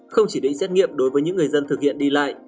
không chỉ đi xét nghiệm đối với những người dân thực hiện đi lại